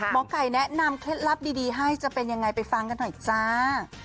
หมอไก่แนะนำเคล็ดลับดีให้จะเป็นยังไงไปฟังกันหน่อยจ้า